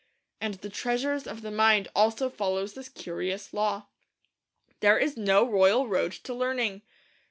And the treasures of the mind also follow this curious law. There is no royal road to learning.